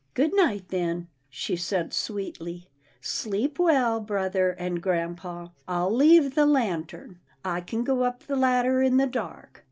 "" Good night, then," she said sweetly, " sleep well, brother and grampa. I'll leave the lantern. I can go up the ladder in the dark."